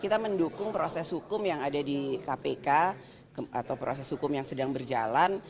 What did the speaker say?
kita mendukung proses hukum yang ada di kpk atau proses hukum yang sedang berjalan